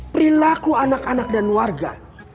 perilaku anak anak dan warga